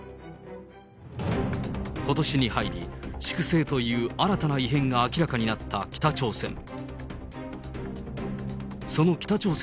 ことしに入り、粛清という新たな異変が明らかになった北朝鮮。